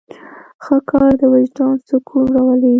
ښه کار د وجدان سکون راولي.